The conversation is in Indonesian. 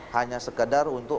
hanya sekedar untuk